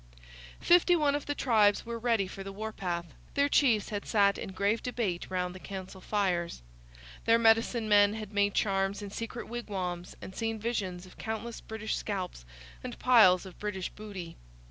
Fifty one of the tribes were ready for the warpath. Their chiefs had sat in grave debate round the council fires. Their medicine men had made charms in secret wigwams and seen visions of countless British scalps and piles of British booty.